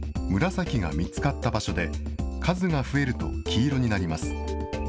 紫が見つかった場所で、数が増えると黄色になります。